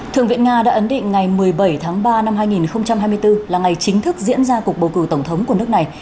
thượng viện nga đã ấn định ngày một mươi bảy tháng ba năm hai nghìn hai mươi bốn là ngày chính thức diễn ra cuộc bầu cử tổng thống của nước này